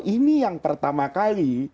ini yang pertama kali